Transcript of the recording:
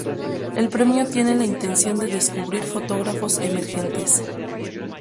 El premio tiene la intención de descubrir fotógrafos emergentes.